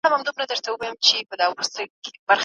تاوتریخوالی د ټولنې پرمختګ ټکنی کوي.